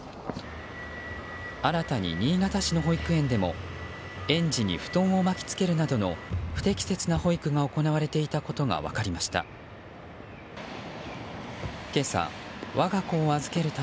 新たに新潟市の保育園でも園児に布団を巻き付けるなどの不適切な保育が行われていたことが分かりました。